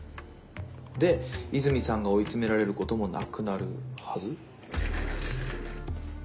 で泉さんが追い詰められることもなくなるはず。